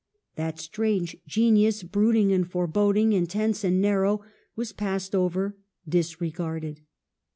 That strange genius, brooding and foreboding, intense and narrow, was passed over, disregarded.